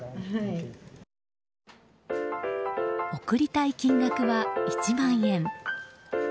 送りたい金額は１万円。